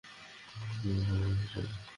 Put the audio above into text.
ইনি হলেন শীলা।